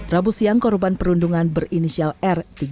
rabu siang korban perundungan berinisial r